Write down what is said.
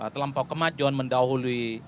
terlampau kemajon mendahului